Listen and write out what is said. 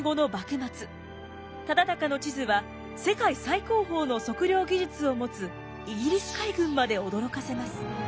忠敬の地図は世界最高峰の測量技術を持つイギリス海軍まで驚かせます。